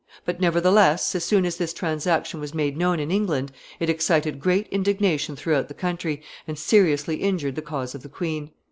But, nevertheless, as soon as this transaction was made known in England, it excited great indignation throughout the country, and seriously injured the cause of the queen.